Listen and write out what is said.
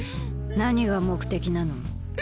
何が目的なの？